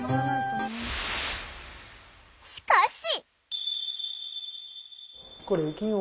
しかし！